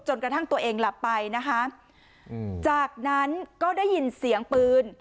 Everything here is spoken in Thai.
กระทั่งตัวเองหลับไปนะคะจากนั้นก็ได้ยินเสียงปืน